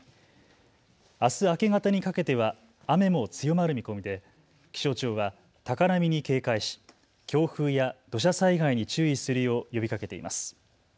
あす明け方にかけては雨も強まる見込みで気象庁は高波に警戒し強風や土砂災害に注意するよう呼びかけています。